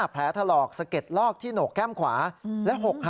๕แผลถลอกสะเก็ดลอกที่โหนกแก้มขวา